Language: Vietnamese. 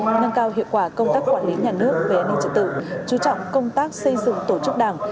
nâng cao hiệu quả công tác quản lý nhà nước về an ninh trật tự chú trọng công tác xây dựng tổ chức đảng